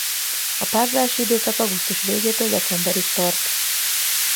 A párzási időszak augusztus végétől decemberig tart.